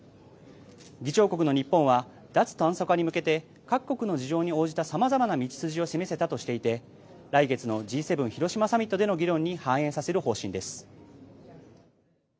議長国の日本は脱炭素化に向けて各国の事情に応じたさまざまな道筋を示せたとしていて来月のＧ７広島サミットでの議論に反映させる方針です。